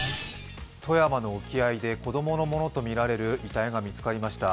富山の沖合で子供のものとみられる遺体が見つかりました。